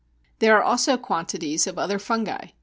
There are also quantities of other fungi.